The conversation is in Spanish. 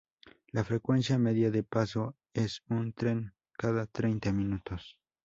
La frecuencia media de paso es un tren cada treinta minutos.